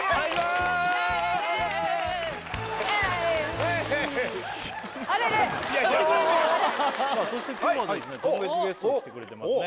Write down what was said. ウエーイあれれさあそして今日はですね特別ゲスト来てくれてますね